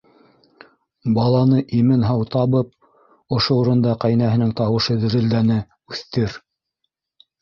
Баланы имен-һау табып, - ошо урында ҡәйнәһенең тауышы дерелдәне, - үҫтер.